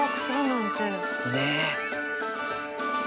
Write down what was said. ねえ。